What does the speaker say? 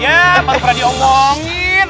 ya baru pernah diomongin